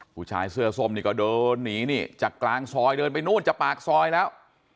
ผู้ชายเสื้อส้มนี่ก็เดินหนีนี่จากกลางซอยเดินไปนู่นจากปากซอยแล้ว